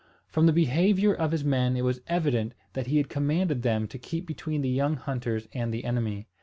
From the behaviour of his men it was evident that he had commanded them to keep between the young hunters and the enemy.